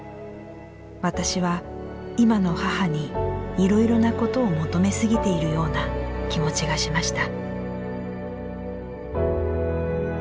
私は今の母にいろいろなことを求めすぎているような気持ちがしました」。